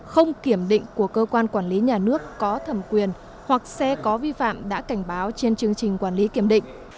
không kiểm định của cơ quan quản lý nhà nước có thẩm quyền hoặc xe có vi phạm đã cảnh báo trên chương trình quản lý kiểm định